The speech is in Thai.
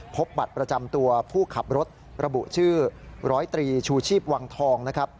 พบบัตรประจำตัวผู้ขับรถระบุชื่อร้อยตรีชูชีพวังทองนะครับ